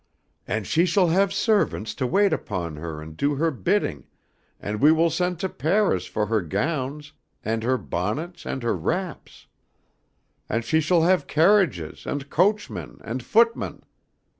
And she shall have servants to wait upon her and do her bidding and we will send to Paris fo' her gowns and her bonnets and her wraps. And she shall have carriages and coachmen and footmen.